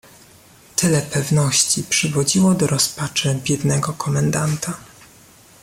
"Tyle pewności przywodziło do rozpaczy biednego komendanta."